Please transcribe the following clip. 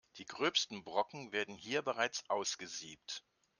Die gröbsten Brocken werden hier bereits ausgesiebt.